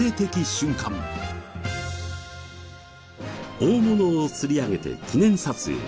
大物を釣り上げて記念撮影。